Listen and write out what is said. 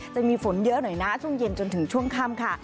จะมีฝนเยอะหน่อยนะช่วงเย็นจนถึงช่วงค่ำค่ะ